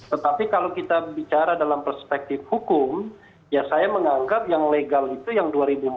tetapi kalau kita bicara dalam perspektif hukum ya saya menganggap yang legal itu yang dua ribu empat belas